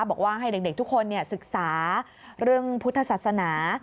บอกว่าให้เด็กทุกคนศึกษาเรื่องพุทธศาสนา